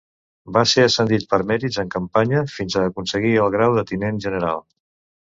Va ser ascendit per mèrits en campanya fins a aconseguir el grau de Tinent General.